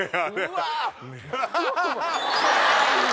うわ！